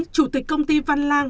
chủ tịch công ty văn lang